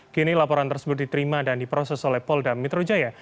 kini laporan tersebut diterima dan diproses oleh paul damitrujaya